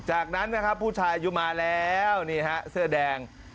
จากนั้นนะครับผู้ชายอายุมาแล้วนี่ฮะเสื้อแดง